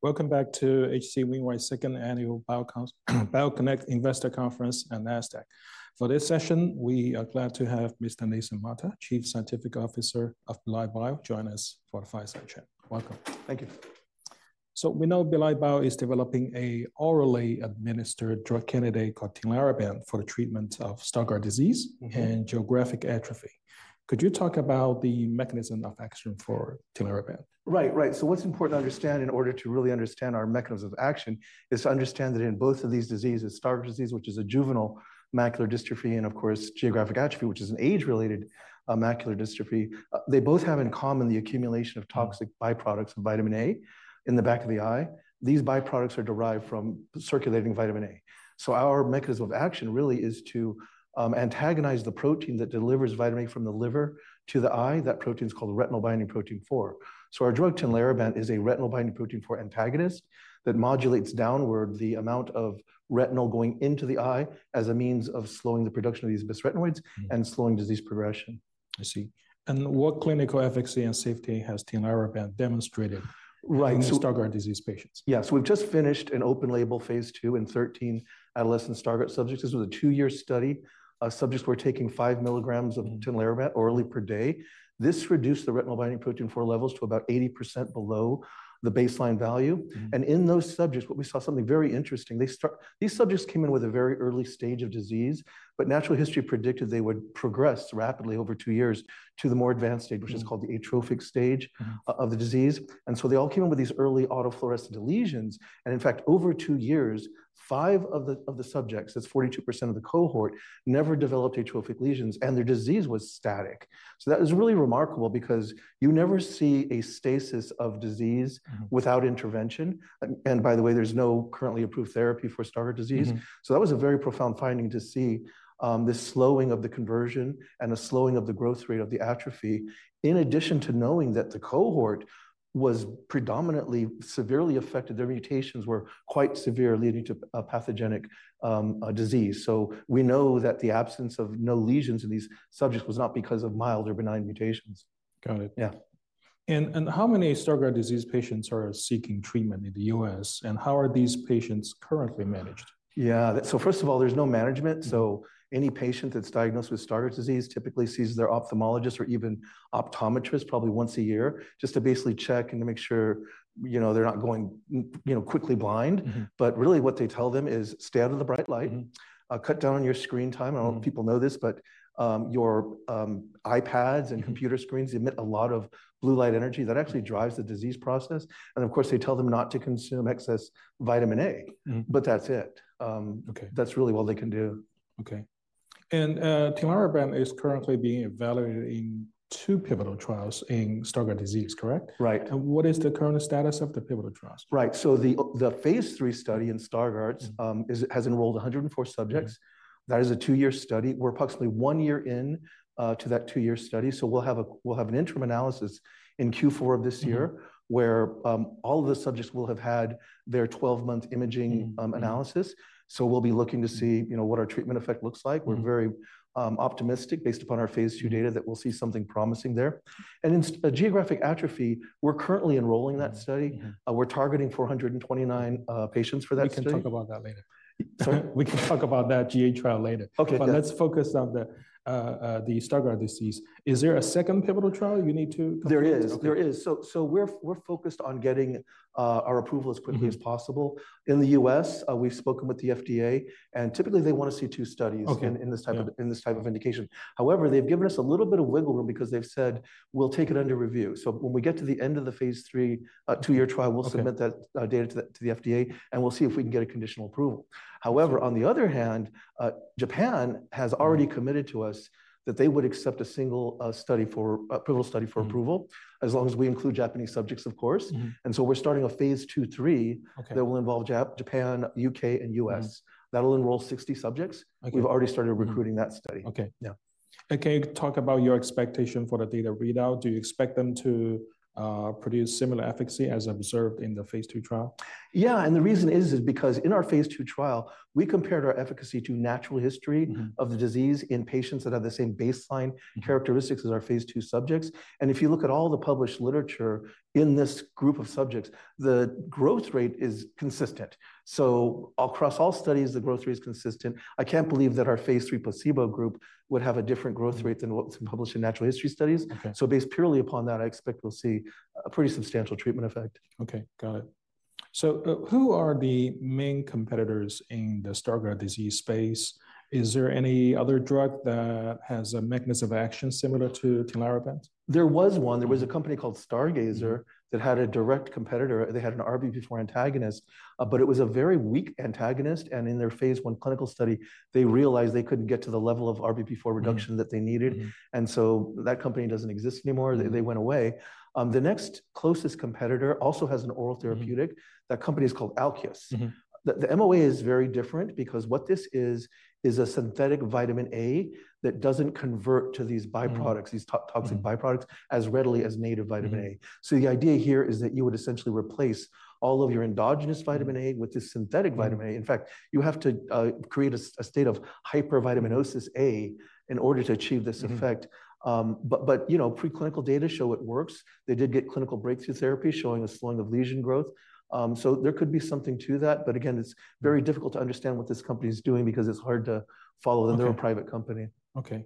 Welcome back to H.C. Wainwright's Second Annual BioConnect Investor Conference and Nasdaq. For this session, we are glad to have Mr. Nathan Mata, Chief Scientific Officer of Belite Bio, join us for a fireside chat. Welcome. Thank you. We know Belite Bio is developing an orally administered drug candidate called Tinlarebant for the treatment of Stargardt disease- Mm-hmm. -and geographic atrophy. Could you talk about the mechanism of action for Tinlarebant? Right, right. So what's important to understand in order to really understand our mechanism of action, is to understand that in both of these diseases, Stargardt disease, which is a juvenile macular dystrophy, and of course, geographic atrophy, which is an age-related macular dystrophy, they both have in common the accumulation of toxic byproducts of vitamin A in the back of the eye. These byproducts are derived from circulating vitamin A. So our mechanism of action really is to antagonize the protein that delivers vitamin A from the liver to the eye. That protein is called the retinol binding protein 4. So our drug, Tinlarebant, is a retinol binding protein 4 antagonist, that modulates downward the amount of retinol going into the eye as a means of slowing the production of these bisretinoids- Mm-hmm. -and slowing disease progression. I see. And what clinical efficacy and safety has Tinlarebant demonstrated? Right, so- in Stargardt disease patients? Yeah, so we've just finished an open-label Phase II in 13 adolescent Stargardt subjects. This was a 2-year study. Subjects were taking 5 milligrams of tinlarebant orally per day. This reduced the retinol binding protein 4 levels to about 80% below the baseline value. Mm-hmm. In those subjects, what we saw something very interesting. These subjects came in with a very early stage of disease, but natural history predicted they would progress rapidly over two years to the more advanced stage- Mm. -which is called the atrophic stage. Mm-hmm of the disease. So they all came in with these early autofluorescent lesions, and in fact, over two years, five of the subjects, that's 42% of the cohort, never developed atrophic lesions, and their disease was static. So that is really remarkable because you never see a stasis of disease- Mm-hmm without intervention. And by the way, there's no currently approved therapy for Stargardt disease. Mm-hmm. So that was a very profound finding to see, the slowing of the conversion and the slowing of the growth rate of the atrophy, in addition to knowing that the cohort was predominantly severely affected, their mutations were quite severe, leading to a pathogenic disease. So we know that the absence of no lesions in these subjects was not because of mild or benign mutations. Got it. Yeah. How many Stargardt disease patients are seeking treatment in the U.S., and how are these patients currently managed? Yeah. First of all, there's no management. Mm. So any patient that's diagnosed with Stargardt disease typically sees their ophthalmologist or even optometrist probably once a year, just to basically check and to make sure, you know, they're not going, you know, quickly blind. Mm-hmm. But really, what they tell them is: stay out of the bright light. Mm-hmm. Cut down on your screen time. Mm-hmm. I don't know if people know this, but your iPads and computer screens emit a lot of blue light energy that actually drives the disease process. Of course, they tell them not to consume excess vitamin A. Mm-hmm. But that's it. Okay. That's really all they can do. Okay. And, Tinlarebant is currently being evaluated in two pivotal trials in Stargardt disease, correct? Right. What is the current status of the pivotal trials? Right. So the phase III study in Stargardt's has enrolled 104 subjects. Mm. That is a two-year study. We're approximately one year in to that two-year study, so we'll have an interim analysis in Q4 of this year- Mm... where, all of the subjects will have had their 12-month imaging, analysis. Mm-hmm. So we'll be looking to see, you know, what our treatment effect looks like. Mm-hmm. We're very optimistic, based upon our phase II data, that we'll see something promising there. In geographic atrophy, we're currently enrolling that study. Mm-hmm. Yeah. We're targeting 429 patients for that study. We can talk about that later. Sorry? We can talk about that GA trial later. Okay. Let's focus on the Stargardt disease. Is there a second pivotal trial you need to complete? There is. Okay. There is. So, we're focused on getting our approval as quickly- Mm-hmm... as possible. In the U.S., we've spoken with the FDA, and typically, they wanna see two studies- Okay... in this type of- Yeah... in this type of indication. However, they've given us a little bit of wiggle room because they've said: "We'll take it under review." So when we get to the end of the phase III, two-year trial- Okay... we'll submit that data to the FDA, and we'll see if we can get a conditional approval. However, on the other hand, Japan has already- Mm... committed to us that they would accept a single, study for, approval study for approval- Mm... as long as we include Japanese subjects, of course. Mm-hmm. And so we're starting a phase II/III- Okay... that will involve Japan, U.K., and U.S. Mm-hmm. That will enroll 60 subjects. Okay. We've already started recruiting that study. Okay. Yeah. Can you talk about your expectation for the data readout? Do you expect them to produce similar efficacy as observed in the phase II trial? Yeah, and the reason is, is because in our phase II trial, we compared our efficacy to natural history- Mm-hmm... of the disease in patients that have the same baseline characteristics as our phase II subjects. If you look at all the published literature in this group of subjects, the growth rate is consistent. Across all studies, the growth rate is consistent. I can't believe that our phase III placebo group would have a different growth rate than what's been published in Natural History Studies. Okay. Based purely upon that, I expect we'll see a pretty substantial treatment effect. Okay, got it. So, who are the main competitors in the Stargardt disease space? Is there any other drug that has a mechanism of action similar to Tinlarebant? There was one. There was a company called Stargazer- Mm-hmm... that had a direct competitor. They had an RBP4 antagonist, but it was a very weak antagonist, and in their phase I clinical study, they realized they couldn't get to the level of RBP4 reduction- Mm... that they needed. Mm-hmm. That company doesn't exist anymore. Mm. They went away. The next closest competitor also has an oral therapeutic. Mm-hmm. That company is called Alkeus. Mm-hmm. The MOA is very different because what this is, is a synthetic vitamin A that doesn't convert to these byproducts- Mm-hmm... these toxic byproducts, as readily as native vitamin A. Mm-hmm. The idea here is that you would essentially replace all of your endogenous vitamin A with this synthetic vitamin A. Mm. In fact, you have to create a state of hypervitaminosis A in order to achieve this effect. Mm-hmm. But, you know, preclinical data show it works. They did get clinical breakthrough therapy, showing a slowing of lesion growth. So there could be something to that, but again, it's very difficult to understand what this company is doing because it's hard to follow. Okay... and they're a private company. Okay...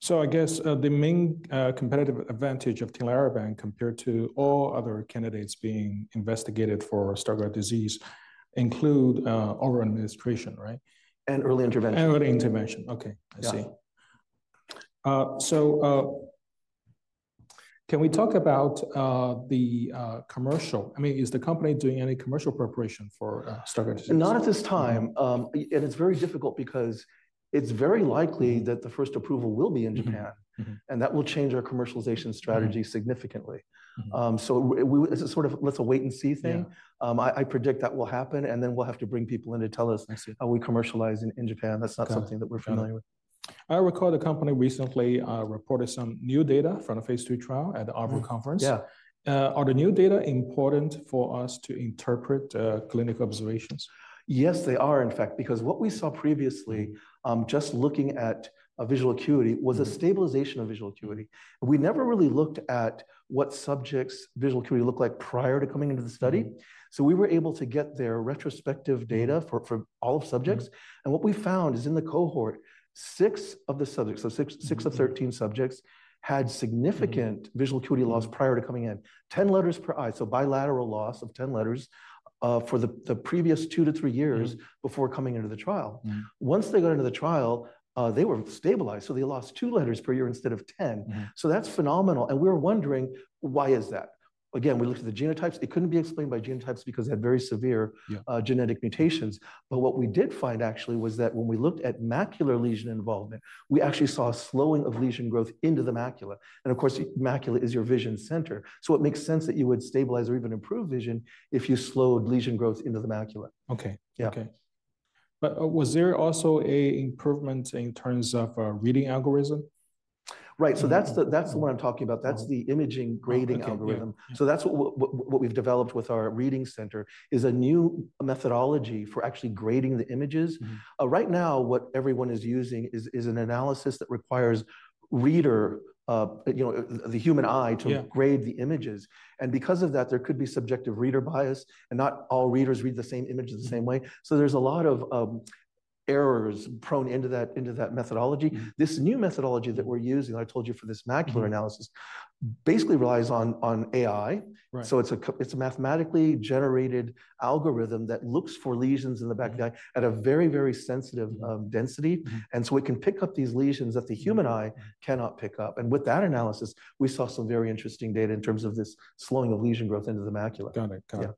So I guess, the main competitive advantage of Tinlarebant compared to all other candidates being investigated for Stargardt disease include oral administration, right? And early intervention. Early intervention. Okay, I see. Yeah. So, can we talk about the commercial? I mean, is the company doing any commercial preparation for Stargardt disease? Not at this time. It's very difficult because it's very likely that the first approval will be in Japan- Mm-hmm. Mm-hmm. and that will change our commercialization strategy Mm. -significantly. Mm. It's a sort of, "Let's wait and see thing. Yeah. I predict that will happen, and then we'll have to bring people in to tell us- I see. how we commercialize in, in Japan. Okay. That's not something that we're familiar with. I recall the company recently reported some new data from the phase 2 trial at the ARVO conference. Yeah. Are the new data important for us to interpret clinical observations? Yes, they are, in fact, because what we saw previously, just looking at a visual acuity- Mm. Was a stabilization of visual acuity. We never really looked at what subjects' visual acuity looked like prior to coming into the study. Mm. So we were able to get their retrospective data for all subjects. Mm. What we found is, in the cohort, 6 of the subjects, so 6, 6 of 13 subjects, had significant- Mm -visual acuity loss prior to coming in. 10 letters per eye, so bilateral loss of 10 letters, for the previous 2-3 years- Mm before coming into the trial. Mm. Once they got into the trial, they were stabilized, so they lost 2 letters per year instead of 10. Mm. So that's phenomenal, and we're wondering: why is that? Again, we looked at the genotypes. It couldn't be explained by genotypes because they had very severe- Yeah Genetic mutations. But what we did find, actually, was that when we looked at macular lesion involvement, we actually saw a slowing of lesion growth into the macula. And of course, the macula is your vision center, so it makes sense that you would stabilize or even improve vision if you slowed lesion growth into the macula. Okay. Yeah. Okay. But, was there also a improvement in terms of reading algorithm? Right. So that's the, that's what I'm talking about. Mm. That's the imaging grading algorithm. Okay. Yeah. So that's what we've developed with our reading center, is a new methodology for actually grading the images. Mm-hmm. Right now, what everyone is using is an analysis that requires reader, you know, the human eye- Yeah to grade the images. And because of that, there could be subjective reader bias, and not all readers read the same image in the same way. So there's a lot of errors prone into that, into that methodology. Mm. This new methodology that we're using, I told you, for this macular analysis- Mm -basically relies on AI. Right. So it's a mathematically generated algorithm that looks for lesions in the back of the eye at a very, very sensitive density. Mm. And so it can pick up these lesions that the human eye cannot pick up, and with that analysis, we saw some very interesting data in terms of this slowing of lesion growth into the macula. Got it. Got it.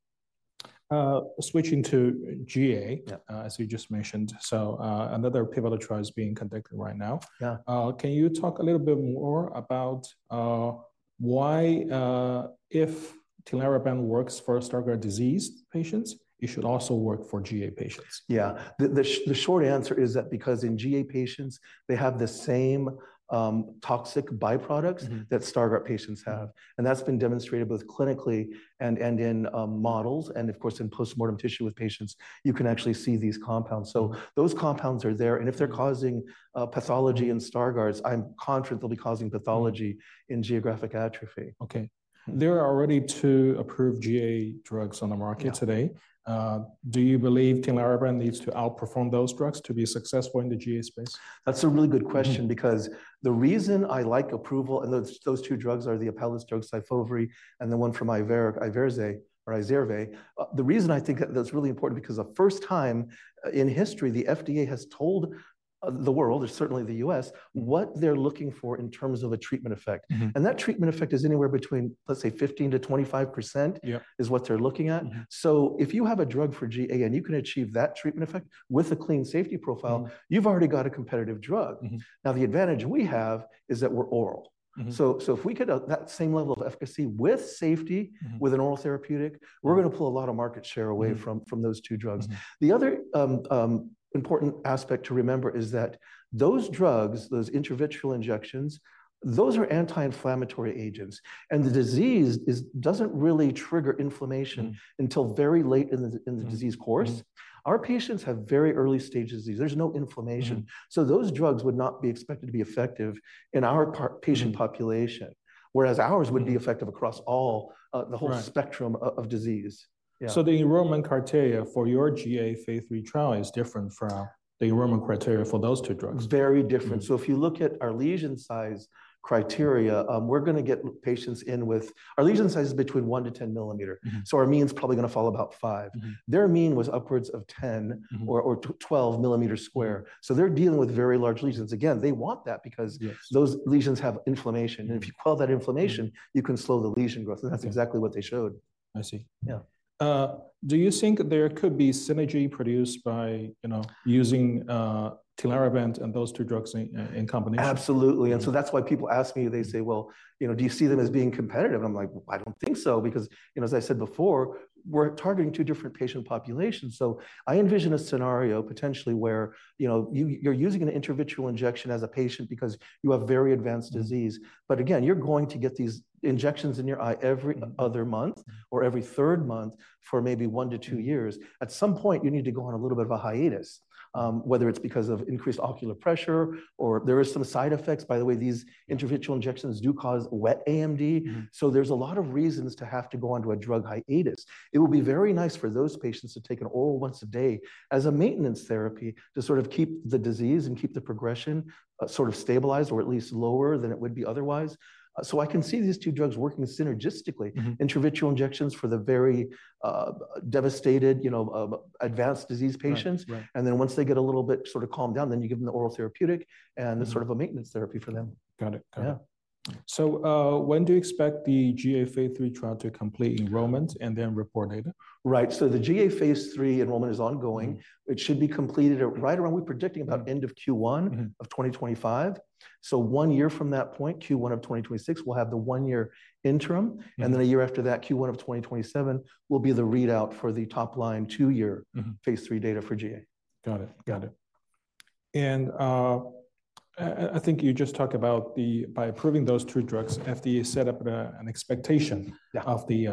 Yeah. Switching to GA- Yeah... as you just mentioned, so, another pivotal trial is being conducted right now. Yeah. Can you talk a little bit more about why, if Tinlarebant works for Stargardt disease patients, it should also work for GA patients? Yeah. The short answer is that because in GA patients, they have the same toxic byproducts- Mm that Stargardt patients have. And that's been demonstrated both clinically and, and in, models, and of course, in post-mortem tissue with patients, you can actually see these compounds. So those compounds are there, and if they're causing pathology in Stargardts, I'm confident they'll be causing pathology in geographic atrophy. Okay. There are already two approved GA drugs on the market today. Yeah. Do you believe Tinlarebant needs to outperform those drugs to be successful in the GA space? That's a really good question- Mm because the reason I like approval. And those, those two drugs are the Apellis drug, Syfovre, and the one from Iveric, Izervay. The reason I think that's really important, because the first time in history, the FDA has told the world, or certainly the US, what they're looking for in terms of a treatment effect. Mm-hmm. That treatment effect is anywhere between, let's say, 15%-25%- Yeah is what they're looking at. Mm-hmm. If you have a drug for GA, and you can achieve that treatment effect with a clean safety profile. Mm You've already got a competitive drug. Mm-hmm. Now, the advantage we have is that we're oral. Mm-hmm. So if we get that same level of efficacy with safety- Mm-hmm with an oral therapeutic Mm we're gonna pull a lot of market share away from Mm from those two drugs. Mm. The other important aspect to remember is that those drugs, those intravitreal injections, those are anti-inflammatory agents, and the disease doesn't really trigger inflammation- Mm until very late in the disease course. Mm. Our patients have very early-stage disease. There's no inflammation. Mm. So those drugs would not be expected to be effective in our pa... Mm -patient population, whereas ours would be effective across all, Right... the whole spectrum of disease. Yeah. The enrollment criteria for your GA phase III trial is different from the enrollment criteria for those two drugs? Very different. Mm. If you look at our lesion size criteria, we're gonna get patients in with-- Our lesion size is between 1-10 millimeters. Mm-hmm. So our mean is probably gonna fall about five. Mm. Their mean was upwards of 10- Mm-hmm or 12 mm². So they're dealing with very large lesions. Again, they want that because- Yes those lesions have inflammation, and if you quell that inflammation- Mm you can slow the lesion growth, and that's exactly what they showed. I see. Yeah. Do you think there could be synergy produced by, you know, using Tinlarebant and those two drugs in combination? Absolutely. Mm. And so that's why people ask me, they say: "Well, you know, do you see them as being competitive?" I'm like: "Well, I don't think so," because, you know, as I said before, we're targeting two different patient populations. So I envision a scenario, potentially, where, you know, you're using an intravitreal injection as a patient because you have very advanced disease. But again, you're going to get these injections in your eye every other month or every third month for maybe 1-2 years. At some point, you need to go on a little bit of a hiatus, whether it's because of increased ocular pressure, or there is some side effects. By the way, these intravitreal injections do cause Wet AMD. Mm. There's a lot of reasons to have to go onto a drug hiatus. It would be very nice for those patients to take an oral once a day as a maintenance therapy to sort of keep the disease and keep the progression, sort of stabilized or at least lower than it would be otherwise. So I can see these two drugs working synergistically. Mm-hmm. Intravitreal injections for the very, devastated, you know, advanced disease patients. Right, right. Then once they get a little bit sort of calmed down, then you give them the oral therapeutic- Mm and this sort of a maintenance therapy for them. Got it. Got it.... So, when do you expect the GA phase III trial to complete enrollment and then report data? Right. So the GA phase III enrollment is ongoing. Mm-hmm. It should be completed right around, we're predicting, about end of Q1. Mm-hmm -of 2025. So one year from that point, Q1 of 2026, we'll have the one-year interim. Mm-hmm. And then a year after that, Q1 of 2027, will be the readout for the top line two-year- Mm-hmm phase III data for GA. Got it. Got it. And, I think you just talked about by approving those two drugs, FDA set up an expectation- Yeah of the,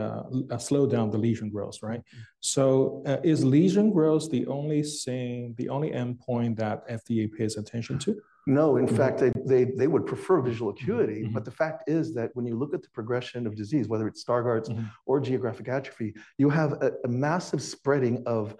slow down the lesion growth, right? So, is lesion growth the only thing, the only endpoint that FDA pays attention to? No. In fact, they would prefer visual acuity. Mm-hmm. But the fact is that when you look at the progression of disease, whether it's Stargardt's- Mm... or geographic atrophy, you have a massive spreading of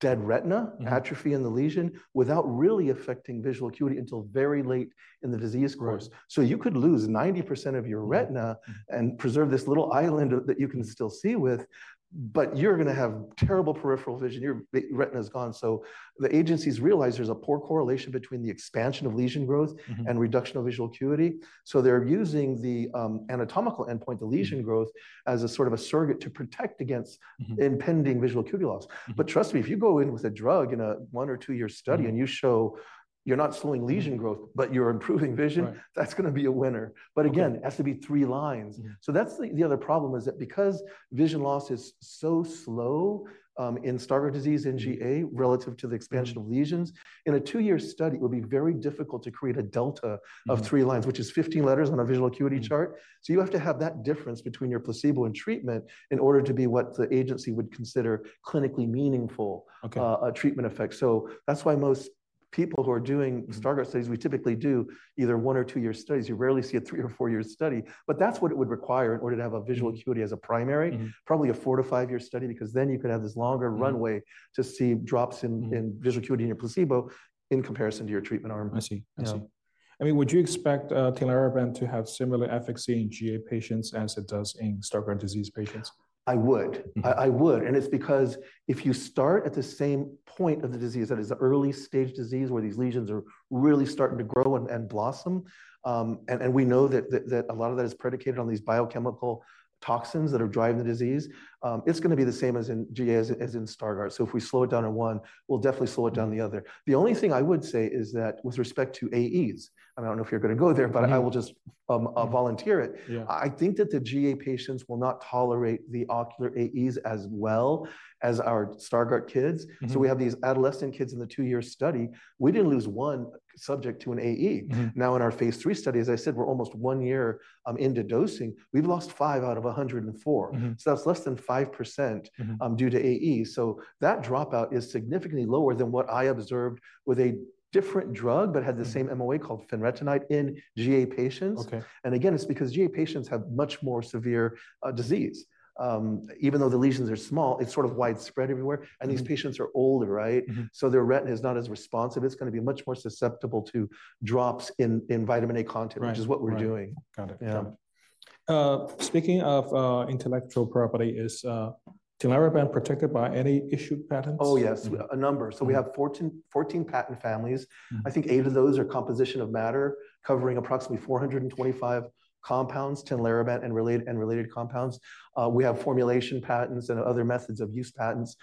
dead retina Mm Atrophy in the lesion, without really affecting visual acuity until very late in the disease course. Mm. So you could lose 90% of your retina- Mm and preserve this little island that you can still see with, but you're going to have terrible peripheral vision. Your retina is gone. So the agencies realize there's a poor correlation between the expansion of lesion growth. Mm-hmm -and reduction of visual acuity. So they're using the anatomical endpoint, the lesion growth, as a sort of a surrogate to protect against- Mm-hmm impending visual acuity loss. Mm-hmm. But trust me, if you go in with a drug in a 1- or 2-year study- Mm and you show you're not slowing lesion growth, but you're improving vision. Right -that's going to be a winner. Okay. But again, it has to be three lines. Mm. So that's the other problem, is that because vision loss is so slow, in Stargardt disease, in GA, relative to the expansion- Mm of lesions, in a two-year study, it will be very difficult to create a delta of three lines. Mm -which is 15 letters on a visual acuity chart. Mm. You have to have that difference between your placebo and treatment in order to be what the agency would consider clinically meaningful- Okay treatment effect. So that's why most people who are doing Stargardt studies, we typically do either 1- or 2-year studies. You rarely see a 3- or 4-year study. But that's what it would require in order to have a visual acuity- Mm as a primary. Mm-hmm. Probably a 4-5-year study, because then you could have this longer runway- Mm to see drops in Mm in visual acuity in your placebo in comparison to your treatment arm. I see. I see. Yeah. I mean, would you expect Tinlarebant to have similar efficacy in GA patients as it does in Stargardt disease patients? I would. Mm-hmm. I would, and it's because if you start at the same point of the disease, that is the early-stage disease, where these lesions are really starting to grow and blossom, and we know that a lot of that is predicated on these biochemical toxins that are driving the disease. It's going to be the same as in GA as in Stargardt. So if we slow it down in one, we'll definitely slow it down the other. The only thing I would say is that with respect to AEs, I don't know if you're going to go there- Mm-hmm. But I will just volunteer it. Yeah. I think that the GA patients will not tolerate the ocular AEs as well as our Stargardt kids. Mm-hmm. So we have these adolescent kids in the 2-year study. We didn't lose one subject to an AE. Mm-hmm. Now, in our phase III study, as I said, we're almost one year into dosing. We've lost five out of 104. Mm-hmm. That's less than 5%- Mm-hmm due to AE. So that dropout is significantly lower than what I observed with a different drug, but had the same MOA- Mm called fenretinide, in GA patients. Okay. And again, it's because GA patients have much more severe disease. Even though the lesions are small, it's sort of widespread everywhere. Mm-hmm. These patients are older, right? Mm-hmm. So their retina is not as responsive. It's going to be much more susceptible to drops in vitamin A content- Right -which is what we're doing. Got it. Yeah. Speaking of intellectual property, is Tinlarebant protected by any issued patents? Oh, yes. Mm. A number. Mm. We have 14, 14 patent families. Mm. I think eight of those are composition of matter, covering approximately 425 compounds, Tinlarebant and related, and related compounds. We have formulation patents and other methods of use patents.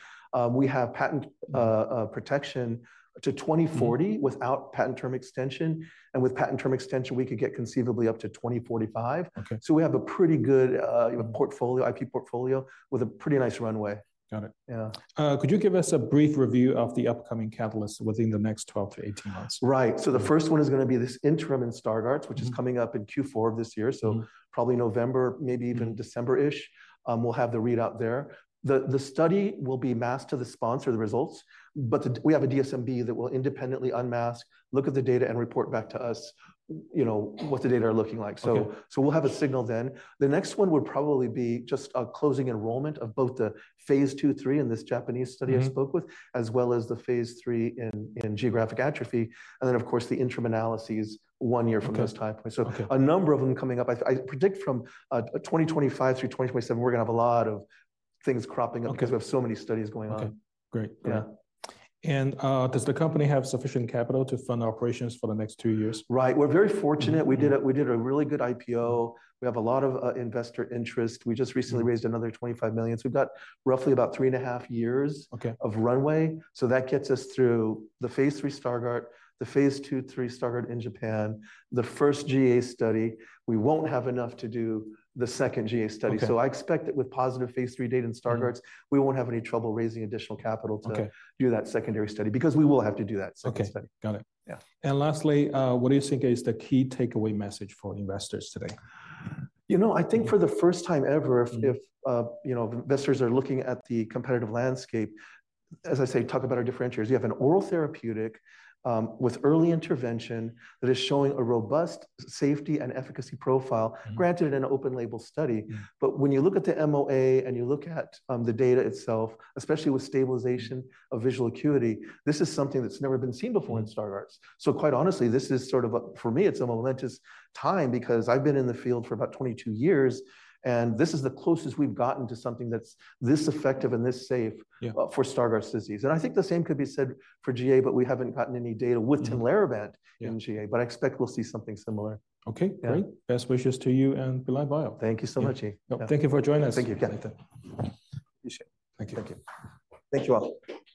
We have patent protection to 2040- Mm without patent term extension. With patent term extension, we could get conceivably up to 2045. Okay. We have a pretty good portfolio, IP portfolio, with a pretty nice runway. Got it. Yeah. Could you give us a brief review of the upcoming catalysts within the next 12-18 months? Right. So the first one is going to be this interim in Stargardt's- Mm -which is coming up in Q4 of this year. Mm. So probably November, maybe even- Mm December-ish, we'll have the readout there. The study will be masked to the sponsor, the results, but we have a DSMB that will independently unmask, look at the data, and report back to us, you know, what the data are looking like. Okay. We'll have a signal then. The next one would probably be just a closing enrollment of both the Phase II/III in this Japanese study. Mm I spoke with, as well as the Phase III in geographic atrophy. And then, of course, the interim analyses, one year from this time. Okay. So- Okay... a number of them coming up. I, I predict from 2025 through 2027, we're going to have a lot of things cropping up- Okay Because we have so many studies going on. Okay. Great. Yeah. Yeah. And, does the company have sufficient capital to fund operations for the next two years? Right. We're very fortunate. Mm-hmm We did a really good IPO. We have a lot of investor interest. Mm. We just recently raised another $25 million. So we've got roughly about 3.5 years- Okay -of runway. So that gets us through the phase III Stargardt, the phase II/III Stargardt in Japan, the first GA study. We won't have enough to do the second GA study. Okay. I expect that with positive phase III data in Stargardt's- Mm We won't have any trouble raising additional capital to Okay do that secondary study, because we will have to do that second study. Okay. Got it. Yeah. Lastly, what do you think is the key takeaway message for investors today? You know, I think for the first time ever- Mm If you know, investors are looking at the competitive landscape, as I say, talk about our differentiators. You have an oral therapeutic with early intervention that is showing a robust safety and efficacy profile- Mm Granted in an open label study. Mm. But when you look at the MOA and you look at the data itself, especially with stabilization of visual acuity, this is something that's never been seen before in Stargardt. So quite honestly, this is sort of, for me, it's a momentous time because I've been in the field for about 22 years, and this is the closest we've gotten to something that's this effective and this safe- Yeah —for Stargardt disease. And I think the same could be said for GA, but we haven't gotten any data with Tinlarebant— Yeah in GA, but I expect we'll see something similar. Okay, great. Yeah. Best wishes to you and Belite Bio. Thank you so much, Yi. Yep. Thank you for joining us. Thank you. Yeah. Thank you. Appreciate it. Thank you. Thank you. Thank you, all.